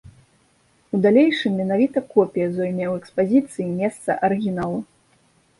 У далейшым менавіта копія зойме ў экспазіцыі месца арыгіналу.